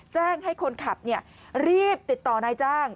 แจ้งให้คนขับรีบติดต่อนายจ้าง